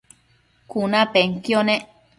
cunapenquio nec